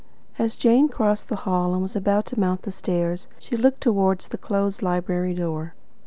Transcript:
As Jane crossed the hall and was about to mount the stairs, she looked towards the closed library door.